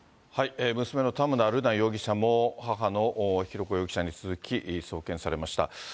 娘の田村瑠奈容疑者も、母の浩子容疑者に続き送検されました。